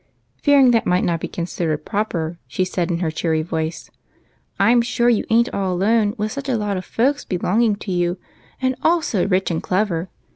Fearing that might not be considered proper, she said, in her cheery voice, —" I 'm sure you ain't all alone with such a lot of folks belonging to you, and all so rich and clever.